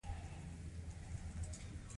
بله پوښتنه دا ده چې ایا پنبه اومه ماده ده؟